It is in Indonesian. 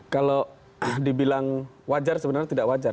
kalau dibilang wajar sebenarnya tidak wajar